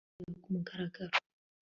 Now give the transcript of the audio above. ukakigaya ku mugaragaro